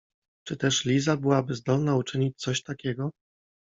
Czy też Liza byłaby zdolna uczynić coś takiego?